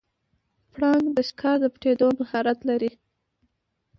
پړانګ د ښکار د پټیدو مهارت لري.